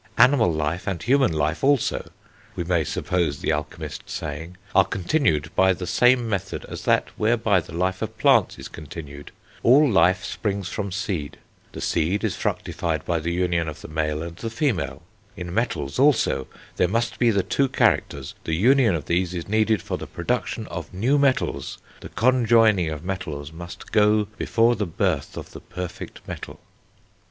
"Animal life, and human life also," we may suppose the alchemist saying, "are continued by the same method as that whereby the life of plants is continued; all life springs from seed; the seed is fructified by the union of the male and the female; in metals also there must be the two characters; the union of these is needed for the production of new metals; the conjoining of metals must go before the birth of the perfect metal."